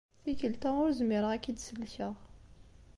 Tikelt-a ur zmireɣ ad k-id-sellkeɣ.